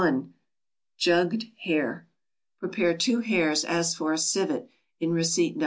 =Jugged Hare.= Prepare two hares as for a civet, in receipt No.